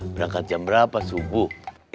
berangkat jam berapa subuh